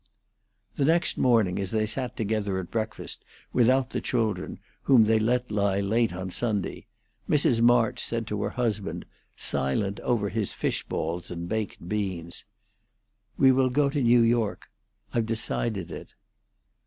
The next morning, as they sat together at breakfast, without the children, whom they let lie late on Sunday, Mrs. March said to her husband, silent over his fish balls and baked beans: "We will go to New York. I've decided it."